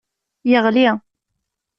Yeɣli.